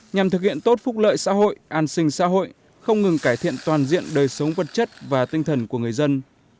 nhằm thực hiện tốt phúc lợi xã hội an sinh xã hội không ngừng cải thiện toàn diện đời sống vật chất và tinh thần của người dân